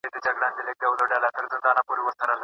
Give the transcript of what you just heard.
د جهان سترګي یې نه ویني ړندې دي